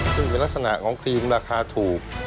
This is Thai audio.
ซึ่งเป็นลักษณะของครีมราคาถูก